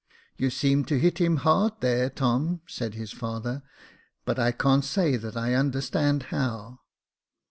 " You seemed to hit him hard there, Tom," said his father ;" but I can't say that I understand how."